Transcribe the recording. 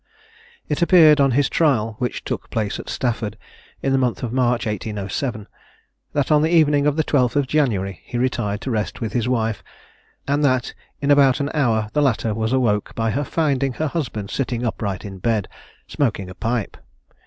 It appeared on his trial, which took place at Stafford in the month of March 1807, that on the evening of the 12th of January, he retired to rest with his wife, and that in about an hour the latter was awoke by her finding her husband sitting upright in bed, smoking a pipe.